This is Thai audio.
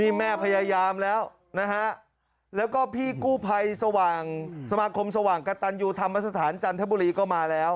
นี่แม่พยายามแล้วนะฮะแล้วก็พี่กู้ภัยสว่างสมาคมสว่างกระตันยูธรรมสถานจันทบุรีก็มาแล้ว